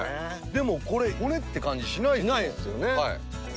でもこれ骨って感じがしないです。